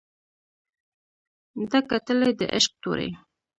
ده کتلى د عشق تورى